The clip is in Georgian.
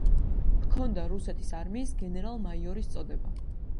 ჰქონდა რუსეთის არმიის გენერალ-მაიორის წოდება.